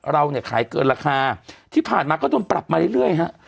เราเนี่ยขายเกินราคาที่ผ่านมาก็โดนปรับมาเรื่อยฮะ